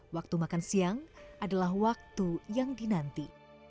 waktu makan siang adalah waktu yang dinanti